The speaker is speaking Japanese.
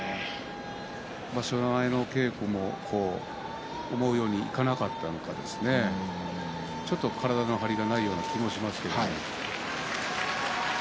場所前の稽古も思うようにいかなかったのかちょっと体の張りがないような気もしますね。